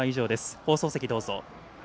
放送席、どうぞ。